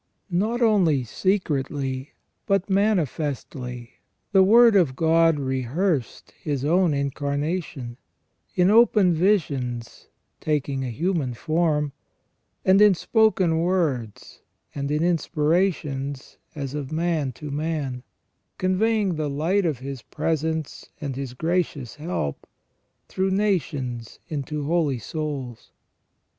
Not only secretly but manifestly, the Word of God rehearsed His own Incarnation, in open visions taking a human form, and in spoken words, and in inspirations as of man to man, conveying the light of His presence and His gracious help " through nations into holy souls